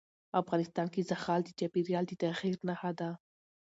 افغانستان کې زغال د چاپېریال د تغیر نښه ده.